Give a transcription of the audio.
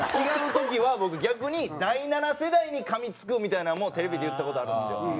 違う時は僕逆に第七世代に噛みつくみたいなのもテレビで言った事あるんですよ。